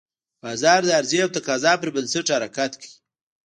بازار د عرضې او تقاضا پر بنسټ حرکت کوي.